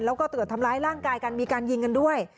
แล้วก็ตรวจทำร้ายร่างกายกันมีการยิงกันด้วย